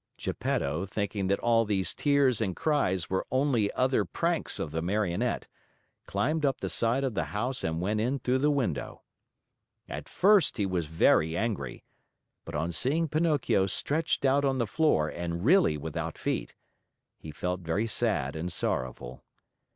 Geppetto, thinking that all these tears and cries were only other pranks of the Marionette, climbed up the side of the house and went in through the window. At first he was very angry, but on seeing Pinocchio stretched out on the floor and really without feet, he felt very sad and sorrowful.